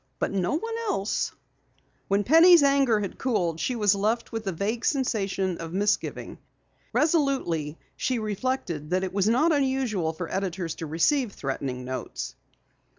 "But no one else." When Penny's anger had cooled she was left with a vague sensation of misgiving. Resolutely she reflected that it was not unusual for editors to receive threatening notes.